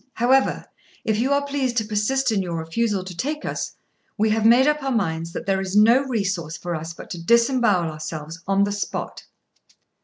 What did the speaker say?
However, if you are pleased to persist in your refusal to take us, we have made up our minds that there is no resource for us but to disembowel ourselves on the spot."